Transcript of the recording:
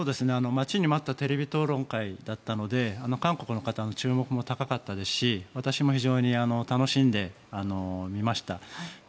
待ちに待ったテレビ討論会だったので韓国の方の注目も高かったですし私も非常に楽しんで見ました。